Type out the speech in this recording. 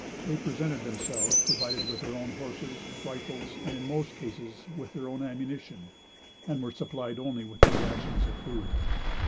They presented themselves provided with their own horses, rifles, and, in most cases, with their own ammunition, and were supplied only with their rations of food.